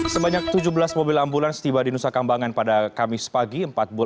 sebanyak tujuh belas mobil ambulans tiba di nusa kambangan pada kamis pagi